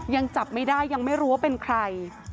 ยังจับไม่ได้ยังไม่รู้ว่าเป็นใคร